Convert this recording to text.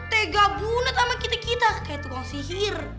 tegah bunet sama kita kita kayak tukang sihir